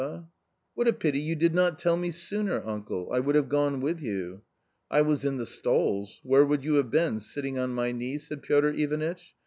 40 A COMMON STORY " What a pity you did not tell me sooner, uncle, I would have gone with you." '' I was in the stalls. Where would you have been, sitting on my knee ?" said Piotr I vanitch.